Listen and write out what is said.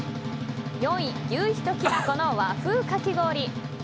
４位、求肥ときな粉の和風かき氷。